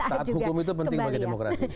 taat hukum itu penting bagi demokrasi